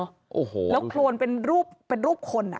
โอ้โหแล้วโครนเป็นรูปเป็นรูปคนอ่ะ